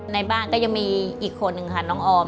ในบ้านก็ยังมีอีกคนนึงค่ะน้องออม